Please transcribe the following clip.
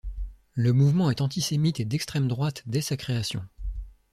Le mouvement est antisémite et d'extrême droite dès sa création.